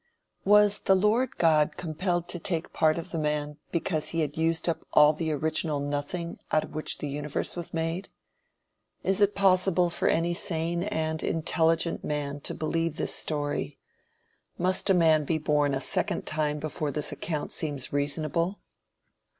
Was the Lord God compelled to take a part of the man because he had used up all the original "nothing" out of which the universe was made? Is it possible for any sane and intelligent man to believe this story? Must a man be born a second time before this account seems reasonable?